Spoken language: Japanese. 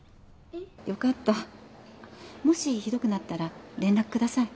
よかったもしひどくなったら連絡ください